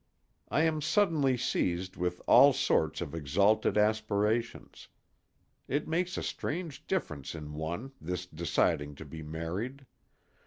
I am suddenly seized with all sorts of exalted aspirations. It makes a strange difference in one, this deciding to be married.